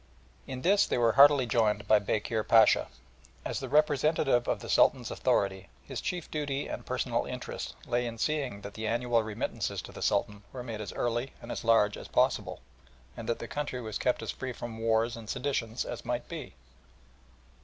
In this they were heartily joined by Bekir Pacha. As the representative of the Sultan's authority, his chief duty and personal interest lay in seeing that the annual remittances to the Sultan were made as early and as large as possible, and that the country was kept as free from wars and seditions as might be.